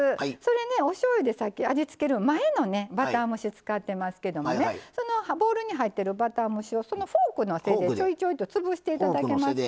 おしょうゆでさっき味付ける前のバター蒸しを使ってますけどボウルに入っているバター蒸しをフォークの背でちょいちょいと潰していただけますか。